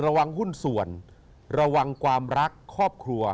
ระวังหุ้นส่วนระวังความรักครอบครัว